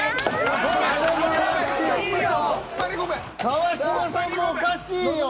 川島さんもおかしいよ！